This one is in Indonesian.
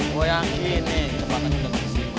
gue yakin nih cepetan